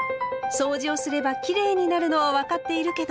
そうじをすればきれいになるのは分かっているけど